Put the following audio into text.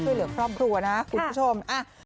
ช่วยเหลือครอบครัวนะคุณผู้ชม